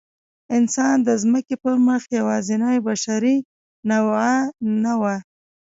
انسان د ځمکې پر مخ یواځینۍ بشري نوعه نه وه.